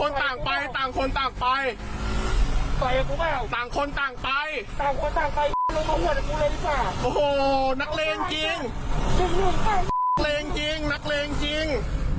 แรงจริงนักเลงจริง